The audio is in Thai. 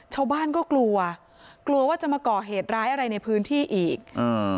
ชาวบ้านก็กลัวกลัวว่าจะมาก่อเหตุร้ายอะไรในพื้นที่อีกอ่า